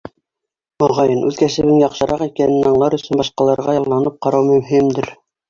Моғайын, үҙ кәсебең яҡшыраҡ икәнен аңлар өсөн башҡаларға ялланып ҡарау мөһимдер.